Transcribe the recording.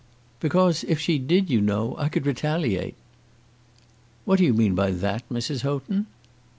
"Because if she did, you know, I could retaliate." "What do you mean by that, Mrs. Houghton?"